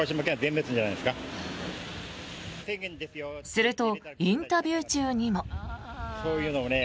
するとインタビュー中にも。